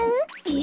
え？